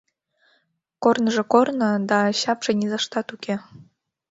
Корныжо корно да... чапше низаштат уке.